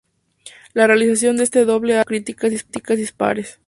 La realización de este doble álbum tuvo críticas dispares.